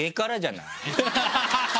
ハハハハ！